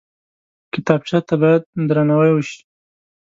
کتابچه ته باید درناوی وشي